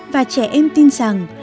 và trẻ em tin rằng